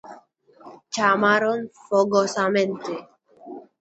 Chamaron fogosamente.